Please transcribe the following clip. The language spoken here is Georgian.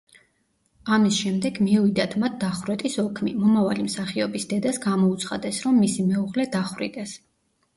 ამის შემდეგ მიუვიდათ მათ დახვრეტის ოქმი, მომავალი მსახიობის დედას გამოუცხადეს, რომ მისი მეუღლე დახვრიტეს.